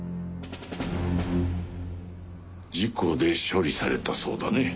事故で処理されたそうだね。